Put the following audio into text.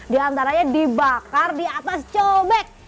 di antaranya dibakar di atas cobek